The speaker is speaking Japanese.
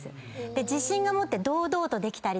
自信を持って堂々とできたり。